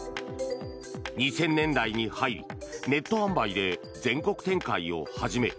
２０００年代に入りネット販売で全国展開を始め